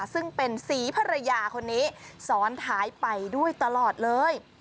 ซึ่งเป็นศรีภรรยาคนนี้ซ้อนท้ายไปด้วยตลอดเลย